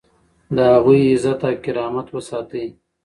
د هغوی عزت او کرامت وساتئ.